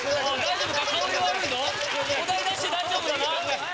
お題出して大丈夫だな？